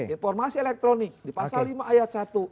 informasi elektronik di pasal lima ayat satu